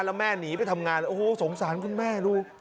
แล้วแม่หนีไปทำงานโอ้โหสงสารคุณแม่ลูก